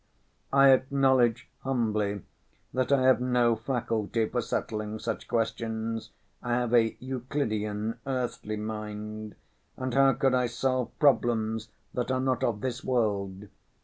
I acknowledge humbly that I have no faculty for settling such questions, I have a Euclidian earthly mind, and how could I solve problems that are not of this world?